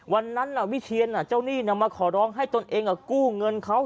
วันนั้นวิเชียนเจ้าหนี้มาขอร้องให้ตนเองกู้เงินเขา